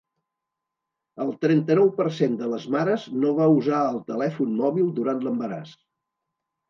El trenta-nou per cent de les mares no va usar el telèfon mòbil durant l’embaràs.